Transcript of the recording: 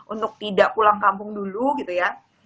untuk tidak pulang kampung dulu gitu ya